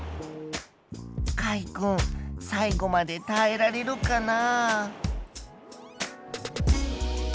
かいくん最後までたえられるかな？